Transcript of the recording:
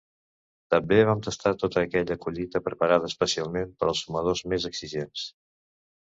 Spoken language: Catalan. També vam tastar tota aquella collita preparada especialment per als fumadors més exigents!